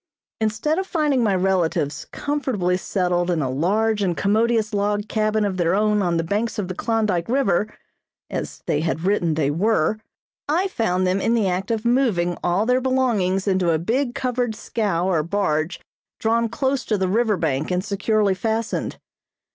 Instead of finding my relatives comfortably settled in a large and commodious log cabin of their own on the banks of the Klondyke River, as they had written they were, I found them in the act of moving all their belongings into a big covered scow or barge drawn close to the river bank and securely fastened.